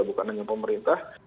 bukan hanya pemerintah